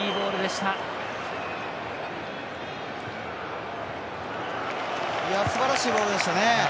すばらしいボールでしたね。